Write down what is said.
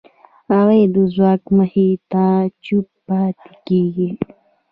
هغوی د ځواک مخې ته چوپ پاتې کېږي.